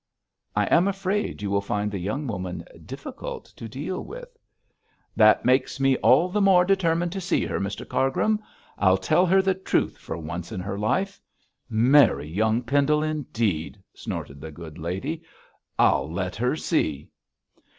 'I am afraid you will find the young woman difficult to deal with.' 'That makes me all the more determined to see her, Mr Cargrim. I'll tell her the truth for once in her life. Marry young Pendle indeed!' snorted the good lady. 'I'll let her see.'